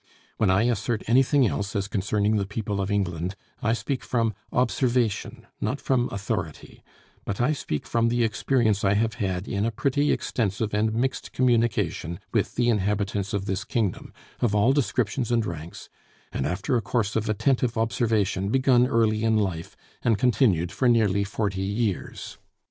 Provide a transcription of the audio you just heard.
When I assert anything else, as concerning the people of England, I speak from observation, not from authority; but I speak from the experience I have had in a pretty extensive and mixed communication with the inhabitants of this kingdom, of all descriptions and ranks, and after a course of attentive observation begun early in life, and continued for nearly forty years.